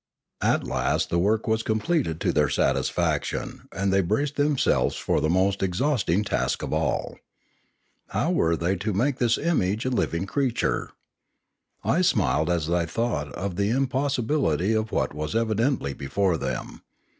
At last the work was completed to their satisfaction, and they braced themselves for the most exhausting task of all. How were they to make of this image a living creature ? I smiled as I thought of the impossi bility of what was evidently before them.